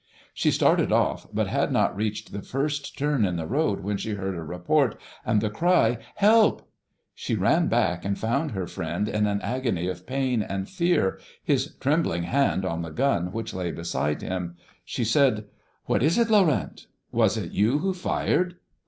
"She started off, but had not reached the first turn in the road when she heard a report and the cry, 'Help!' "She ran back and found her friend in an agony of pain and fear, his trembling hand on the gun which lay beside him. She said, 'What is it, Laurent? Was it you who fired?'